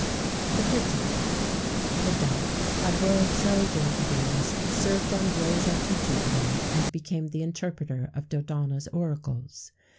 THE PIGEON. The dove, a bird so dear to Venus,[XVII 81] served ambrosia to Jupiter,[XVII 82] and became the interpreter of Dodona's oracles.